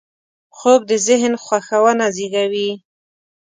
خوب د ذهن خوښونه زېږوي